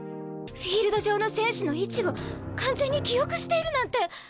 フィールド上の選手の位置を完全に記憶しているなんて！